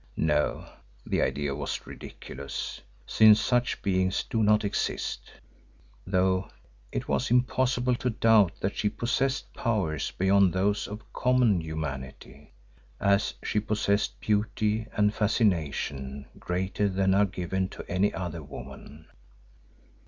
No, the idea was ridiculous, since such beings do not exist, though it was impossible to doubt that she possessed powers beyond those of common humanity, as she possessed beauty and fascination greater than are given to any other woman.